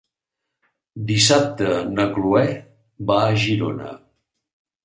Dissabte na Cloè va a Girona.